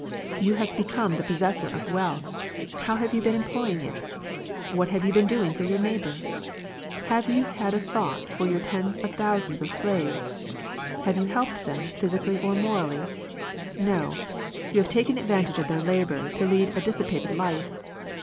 You have become the possessor of wealth, — how have you been em ploying it ? What have you been doing for your neighbor ? Have you had a thought for your tens of thousands of slaves ? 'Have you helped them, physically or morally ? No ! You have taken advantage of their labor to lead a dissipated life.